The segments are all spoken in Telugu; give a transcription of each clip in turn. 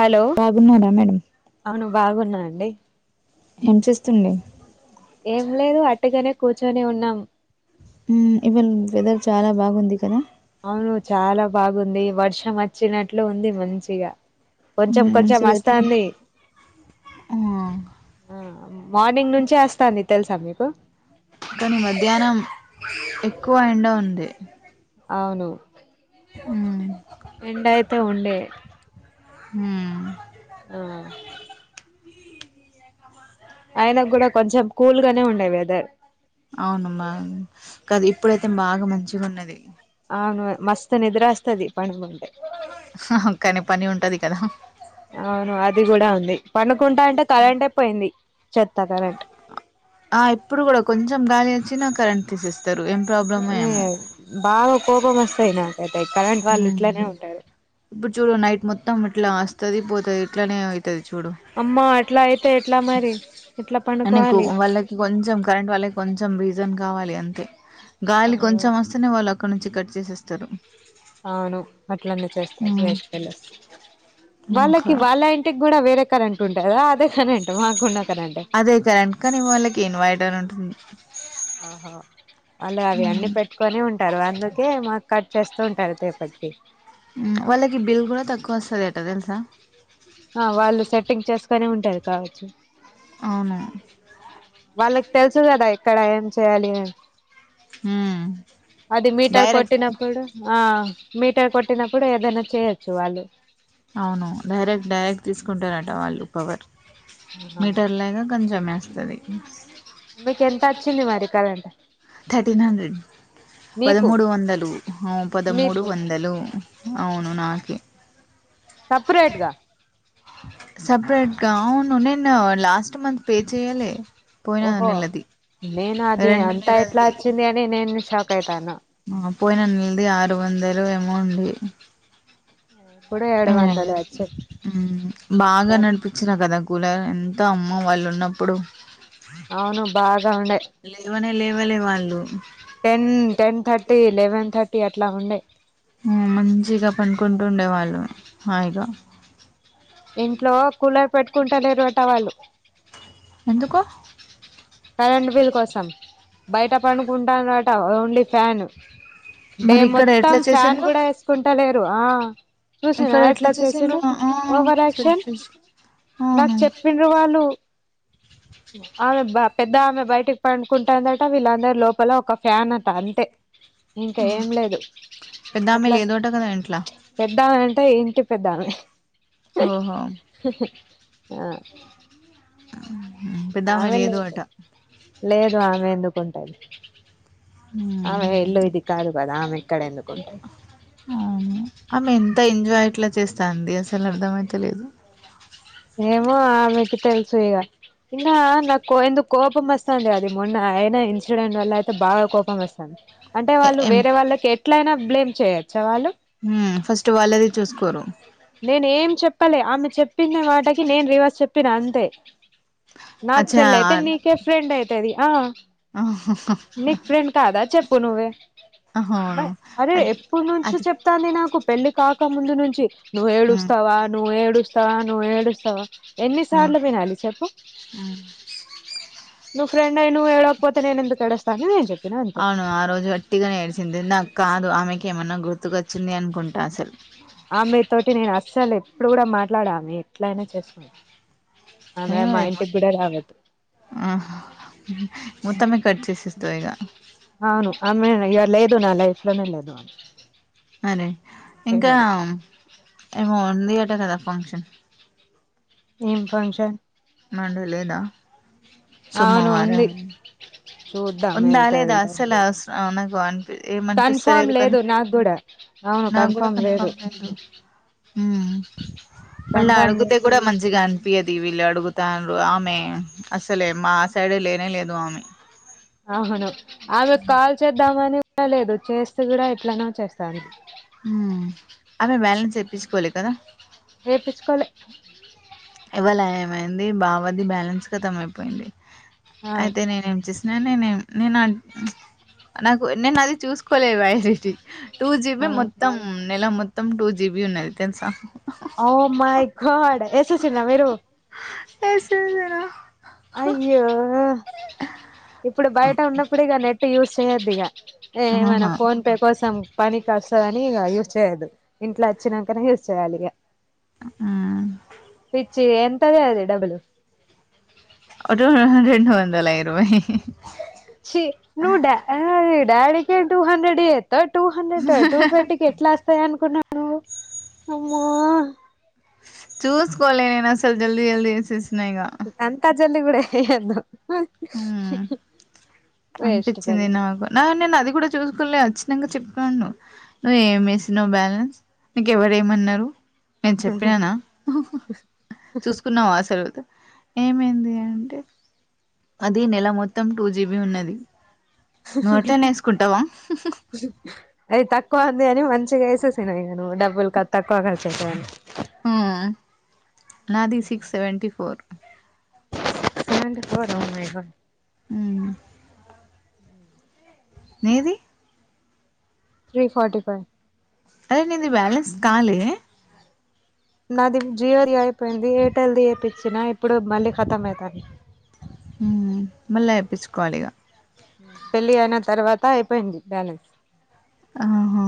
హలో బాగున్నారా మేడం అవును బాగున్నా అండి ఏం చేస్తుండు ఏం లేదు అట్టగానే కూర్చొని ఉన్నాం ఉమ్ ఇవళ వెదర్ చాలా బాగుంది కదా అవును చాలా బాగుంది వర్షం వచ్చినట్లు ఉంది మంచిగా కొంచెం మ్మ్, కొంచెం మంచిగా ఎట్లా వస్తాంది ఆ, ఆ మార్నింగ్ నుంచే వస్తాది తెలుసా మీకు కానీ మధ్యానం ఎక్కువ ఎండ ఉంది అవును మ్మ్, ఎండ అయితే ఉండే ఉమ్ ఆ అయిన కూడా కొంచెం కూల్గానే ఉండే వెదర్ అవును మ్యామ్ కాదు ఇప్పుడైతే బాగా మంచిగా ఉన్నది అవును మస్తు నిద్ర వస్తది పడుకుంటే కాని పని ఉంటది కదా అవును అది కూడా ఉంది పనుకుంటా ఉంటే కరెంటే పోయింది చెత్త కరెంట్ ఆ ఇప్పుడు కూడా కొంచెం గాలి వచ్చిన కరెంట్ తీసేస్తారు ఎం ఏ బాగా కోపం వస్తాయి నా ఉమ్ ఇప్పుడు చూడు నైట్ మొత్తం ఇట్లా వస్తది పోతది ఇట్లనే వతది చూడు అమ్మా అట్లా అయితే ఎట్లా మరి ఎట్లా మనకు పనుకోవాలి వాళ్ళకి కొంచెం కరెంట్ వాళ్ళకి కొంచెం రీజన్ కావాలి అంతే గాలి కొంచెం వస్తేనే వాళ్ళుకు అక్కడనుంచి కట్ చేసేస్తారు అవును అట్లనే చేస్తారు ఉమ్. వేస్ట్ ఫెల్లోస్ వాళ్ళకి వాళ్ళ వాళ్ళ ఇంటికి కూడా వేరే కరెంట్ ఉంటదా అదే కరెంట్ మ్యామ్ అదే కరెంట్ కానీ వాళ్ళకి ఇన్వైటర్ ఉంటుంది ఆహా వాళ్ళ అవి అన్ని ఉమ్. పెట్ ట్కొని ఉంటారు అందుకే మనకు కట్ చేస్తూ ఉంటారు [inaudible] ఉమ్ వాళ్ళకి బిల్ కూడా తక్కువ వస్తది అట తెలుసా ఆ వాళ్ళు సెట్టింగ్ చేసుకునే ఉంటారు కావచ్చు అవున వాళ్ళకి తెలుసు కదా ఎక్కడ ఏం చేయ్యాలి అని ఉమ్, అది మీటర్ డైరెక్ట్ కొట్టినప్పుడ ఆ మీటర్ కొట్టినపుడు ఏదైనా చేయొచ్చు వాళ్ళు అవును డైరెక్ట్ డైరెక్ట్ తీసుకుంటారంట వాళ్ళు పవర్ ఆ మీటర్లగ కొంచం మేస్తది మీకు ఎంత వచ్చింది మరి కరెంట్ థర్టీన్ హండ్రెడ్ మీకు పదమూడు వందలు హ పదమూడు మీకు వందలు అవును నాకే సెపరేట్గా సెపరేట్గా అవును నేను లాస్ట్ మంత్ పే చేయలె పోయినా ఓహో నెలది నేను అది రెండు అంత ఎట్లా నెలలది వచ్చింది అని నేను షాక్ అయితాన్న ఆ పోయిన నెలది ఆరు వందలు ఏమో ఉంది అదే ఎం లేదు మ్ బాగా నడిపి చ్చిన కదా కూలర్ ఎంత అమ్మ వాళ్ళు ఉన్నప్పుడు అవును బాగా ఉండే లెవనే లెవలే వాళ్ళు ten ten thirty eleven thirty అట్లా ఉండే మంచిగా పనుకుంటూ ఉండేవాళ్ళు హాయిగా ఇంట్లో కూలర్ పెట్టుకుంట లేరుఅట వాళ్ళు ఎందుకు కరెంటు బిల్ కోసం బయట పడుకుంటాలట ఓన్లీ ఫ్యాన్ డే మరి ఇక్కడ మొత్తం ఎట్లా ఫ్యాన్ చేసిండ్రు కూడా ఎసుకుంట లేరు ఆ చూసిన ఇక్కడ ఎట్లా చేసిండ్రు చేసిండో ఓవర్ యాక్షన్ సెల్ఫిష్ నాకు అవును చెప్పిన్ డ్రు వాళ్ళు ఆమె బా పెద్ద ఆమె బయటకి పండుకుంటాందట వీళ్ళందరు లోపల ఒక ఫ్యాన్ అట అంతే ఇంకా ఏం లేదు పెద్దామె అట్లానే లేదోట కదా ఇంట్లా పెద్దామె అంటే ఇంటి పెద్దామె ఓహో అ పెద్దామె ఆమె లేదు అట లేదు ఆమె ఎందుకుంటది ఉమ్ ఆమె ఇల్లు ఇది కాదు కదా ఆమె ఇక్కడ ఎందుకుంటది అవును ఆమె ఎంత ఎంజాయ్ అట్లా చేస్తాంది అసలు అర్థ అయిత లేదు ఏమో ఆమెకి తెలుసు ఇగ నిన్న నాకు ఎందుకు కోపం వస్తాంది అది మొన్న అయిన ఇన్సిడెంట్ వల్ల అయితే బాగా కోపం వస్త అంటే వాళ్ళు ఏం వేరే వాళ్ళకి ఎట్లయినా బ్లేమ్ చేయొచ్చా వాళ్ళు ఫస్ట్ వాళ్ళది చూసుకోరు నేను ఏం చెప్పలె ఆమె చెప్పిన మాటకి నేను రివర్స్ చెప్పిన అంతే నాకు అచ్చా చెల్లి అయితే నీకే ఫ్రెండ్ అయితది ఆ ఆహాహ నీకు ఫ్రెండ్ కాదా చెప్పు నువ్వే అవును అరే అది ఎప్పుడు నుంచో అది చెప్ తాంది నాకు పెళ్లి కాక ముందు నుంచి నువ్వు ఏడుస్తావా నువ్వు ఏడుస్ స్తావ నువ్వు ఏడుస్తావా ఎన్నిసార్లు వినాలి చెప్పు నువ్ ఫ్రెండ్ అయ్ నువ్ ఏడవక పోతే నేనెందుకు ఏడుస్తా నువ్వే చెప్పు అవును ఆ రోజు గట్టిగనే ఎడిచింది నాకు కాదు ఆమెకి ఏమన్నా గుర్తుకొచ్చింది అనుకుంటా అసలు ఆ మీ తోటి నేను అస్సలు ఎప్పుడు కూడా మాట్లాడ ఎట్లయినా చేసుకొని అయ్యో ఎ అహ్ మొత్తమే కట్ చేసేస్తా ఇగ అవును ఆమె ఇగ లేదు నా లైఫ్ లోనే లేదు అరే ఇంక ఎవరు ఏమో ఉంది అట కదా ఫంక్షన్ ఏం ఫంక్షన్ మడు లేదా అవును ఉంది సోమవారం చూద్దాం ఉందా వెళ్తే లేద వెళ్తాం అసలు అస అనకు కన్ఫామ్ లేదు నాకూడా నాకూడా కన్ఫామ్ లేదు మళ్ళ కన్ఫామ్ అడుగుతే లేదు కూడా మంచిగా అం పియదు వీళ్ళు అడుగుతారు ఆమె అసలే మా సైడ్ లేనే లేదు ఆమె అవును ఆమెకు కాల్ చేద్దామని కూడా లేదు చేస్తే కూడా ఎట్లనో చేస్తాది ఉ ఆమె బ్యాలెన్స్ ఏప్పించుకోవలే కదా ఎపిచుకోలే ఇవాళ ఏమైంది బావది బ్యాలెన్స్ ఖతమైపోయింది ఆ అయితే నేనేం చేస్ నేనే నేమ్ నేనా నాకు నేను అది చూసుకోలేదు ఫైవ్ఫిఫ్టీ టూ జీబి ఆ మొత్తం నెల మొత్తం టూ జీబి ఉన్నది తెలుసా ఓ మై గాడ్ ఏసేసిరా మీరు ఏసే అయ్యో ఇప్పుడు బయట ఉన్నప్పుడేగా నెట్ యూజ్ చేయొద్దు ఇగ ఏమైనా ఆహా ఫోన్ పే కోసం పనికొస్తదని ఇగా యూజ్ చేయొద్దు ఇంట్ల అచ్చినంకనే యూస్ చేయాలి ఇగ హ్మ్ పిచ్చి ఎంతది అది డబ్బులు ఒ టు రెండువందల ఇరవై ఛి నువ్వు డా డాడికి టూ హండ్రెడ్ ఇయా టూ హండ్రెడ్ టూ ట్వంటీకి ఎట్లొస్తది అనుకున్నవ్ నువు అమ్మో చూసుకోలే నేను అసలు జల్దీ జల్దీ ఏసేసినా యిగా అంతా జల్ది కూడ వేయొద్దు హ్మ్ వేస్ట్ అనిపించింది ఫెలో నాకు నా నేను అది కూడా చూసుకులే వచ్చినంక చెప్పాను నువ్వు ఏం వేసినావ్ బ్యాలెన్స్ నీకెవరూ ఏమన్నారు నేను చెప్పిననా చూసుకున్నవా అసలైతే ఏమైంది అంటే అది నెల మొత్తం టూ జీబి ఉన్నది నువ్వు అట్లనే వేసుకుంటావా అది తక్కువ ఉంది అని మంచిగా వేసేసినవ్ ఇంక నువ్ డబ్బులు తక్కువ ఖర్చయితయని ఉ నాది six seventy four seventy four ఆ ఒ మై గాడ్ ఊ [inaudible] నీది త్రీ ఫార్టీ ఫైవ్ అదే నీది బ్యాలెన్స్ కాలే నాది జియోది అయిపోయింది. ఎయిర్టెల్ది ఏపిచ్చినా ఇప్పుడు మళ్ళీఖతం అవుతాంది. మళ్ళా ఏపిచ్చుకోవాలి ఇగ పెళ్లి అయిన తర్వాత అయిపోయింది బ్యాలెన్స్. ఆహా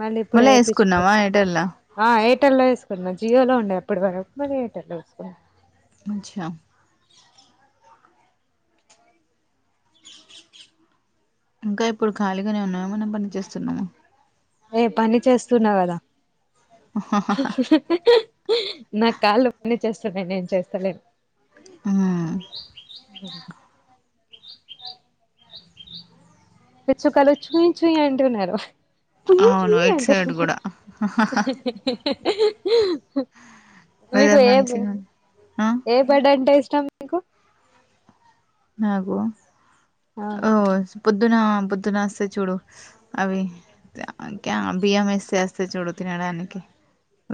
మళ్ళీ ఇప్పుడు మళ్ళా ఏపిచ్చుకో ఏసుకున్నావా ఎయిర్టెల్లా ఆ ఎయిటెల్ లో ఏసుకున్నా. జియోలో ఉండే అప్పటి వరకు, మళ్లీ ఎయిర్టెల్లో ఏసుకున్నా. వచ్చినాం ఇంకా ఇప్పుడు ఖాళీగానే ఉన్నావా, ఏమైనా పని చేేస్తున్నావా? ఏ పని చేస్తున్నా కదా? హ్ హ్ నాకు కాళ్ళ పనిచేస్తున్నాయి నేను చేస్తలేను. హ్మ్ ఓ పిచ్చుకలు చుయ్ చుయ్ అంటున్నారు. చుయ్ అవును చుయ్ ఇటు అంటు సైడ్ హ్ గూడా హి అహ్ మీకు వెదర్ ఏం మంచిగా ఆ ఏం బడంటే ఇష్టం మీకు నాకు ఆ ఓ పొద్దున, పొద్దునొస్తాయి చూడు అవి క్యా క్యా బియ్యమేస్తే వస్తాయి చూడు తినడానికి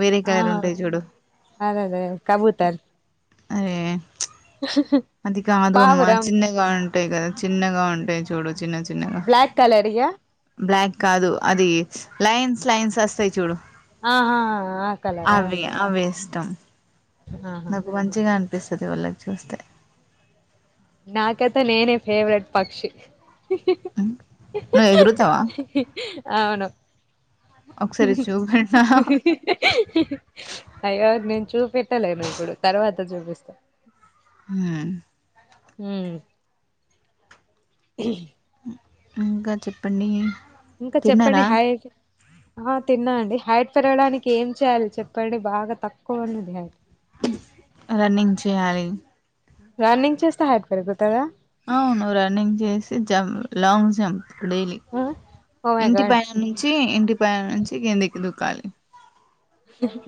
వేరే ఆ కలర్ ఉంటాయి చూడు అదేదే కబూతర్ అరే హ్ హ్ అట్లా కాదు అమ్మా చిన్నగా ఉంటాయి కదా. చిన్నగా ఉంటాయి చూడు చిన్న చిన్నగా బ్లాక్ కలర్యా బ్లాక్ కాదు అది లైన్స్ లైన్స్ వస్తాయి చూడు. ఆ ఆహా ఆ కలరా అవే అవే ఇష్టం ఆహా నాకు మంచిగా అని పెసది వాళ్ళ లంచ్ కొస్తాయి. నాకైతే నేనే ఫేవరెట్ పక్షి హ్ నువ్వు ఎగురుతావా హి హ్ అవును హ్ ఒకసారి హి చూపెట్నా హ్ అయ్యో నేను చూపెట్టలేను ఇప్పుడు తర్వాత చూపిస్తా మ్ మ్ ఇంకా చెప్పండి. ఇంకా చెప్పండి తిన్నారా హైట్ ఆ తిన్నాండి. హైట్ పెరగడానికి ఏం చేయాలి చెప్ వేడి బాగా తక్కువ ఉన్నది అయితే రన్నింగ్ చేయాలి. రన్నింగ్ చేస్తే హైట్ పెరుగుతారా? అవును రన్నింగ్ చేసి జంప్ లాంగ్ జంప్ డైలీ ఆ ఓ మై ఇంటి గాడ్ పైన నుంచి ఇంటి పైన నుంచి కిందికి దుకాలి.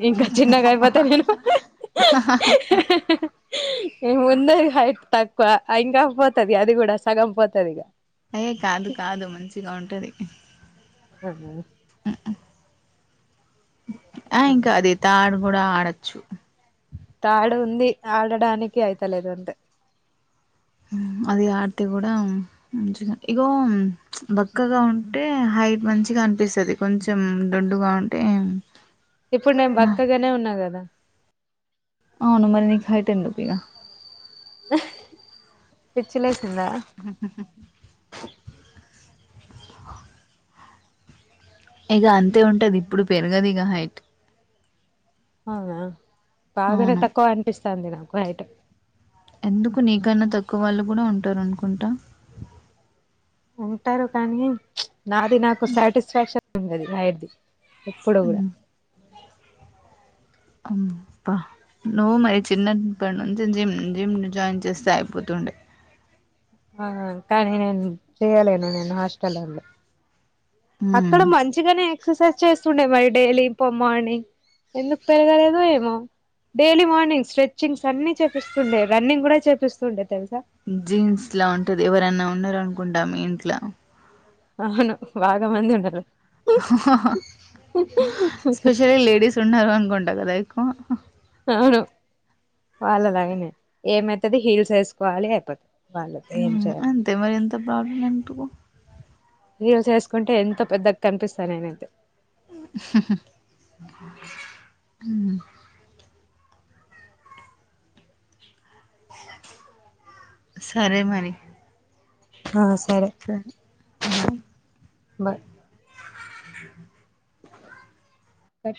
ఇంకా చిన్నగా అయిపోతే నేను హ్ హి హ్ నేను ముందే హైట్ తక్కువ ఇంకా పోతాది అది కూడా సగం పోతాది ఇక ఏం కాదు కాదు మంచిగా ఉంటాది. ఆహా! ఆ ఇంకా అది తాడు కూడా ఆడొచ్చు. తాడు ఉంది ఆడడానికి అయితాలేదు అంతే. అది ఆడితే కూడా మంచిగా ఇగో బక్కగా ఉంటే హైట్ మంచిగా అనిపిస్తాది కొంచెం దొడ్డుగా ఉంటే ఇప్పుడు నేను బక్కగానే ఉన్నా కదా అవును మరి నీకు హైట్ ఎందుకు ఇక పిచ్చిలేసిందా హ్ ఆ ఇక అంతే ఉంటది ఇప్పుడు పెరగదు ఇక హైట్ అవునా బాగానే అవును తక్కువ అనిపిస్తంది నాకు హైట్ ఎందుకు నీకన్నా తక్కువ వాళ్ళు కూడా ఉంటారు అనుకుంటా ఉంటారు కానీ నాది నాకు సాటిస్ఫాక్షన్ ఉండదు హైట్ ఎప్పుడు కూడా అబ్బా నువ్వు మరి చిన్నప్పటి నుంచి జిమ్ జిమ్ జాయిన్ చేస్తే అయిపోతుండే ఆహా కానీ నేను చెయలేను నేను హాస్టల్లో ఉండే అక్కడ మంచిగానే ఎక్సర్సైజ్ చేస్తుండే మరి డైలీ ఇంక మార్నింగ్ ఎందుకు పెరగలేదో ఏమో డైలీ మార్నింగ్ స్ట్రెచింగ్స్ అన్ని చేపిస్తుండే రన్నింగ్ కూడా చేపిస్తుండే తెలుసా జీన్స్ లా ఉంటది ఎవరైనా ఉన్నారనుకుంటా మీ ఇంట్ల అవును బాగా మంది ఉన్నారు స్పెషలీ లేడీస్ ఉన్నారు అనుకుంటా కదా ఎక్కువ అవును వాళ్ళలాగనే ఏమైతది హీల్స్ వేసుకోవాలి అయిపోతది వాళ్ళతో ఏం చేయాలి అంతే మరి ఎంత ప్రాబ్లం ఎందుకు హిల్స్ వేసుకుంటే ఎంత పెద్దగా కనిపిస్తా నేనయితే హ్ ఉ సరే మరి ఆ సరే బాయ్ బాయ్ ఏ